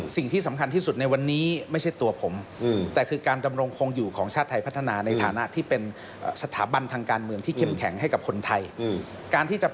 สิ่งที่สำคัญที่สุดในวันนี้ไม่ใช่ตัวผมแต่คือการดำรงคงอยู่ของชาติไทยพัฒนาในฐานะที่เป็นสถาบันทางการเมืองที่เข้มแข็งให้กับคนไทย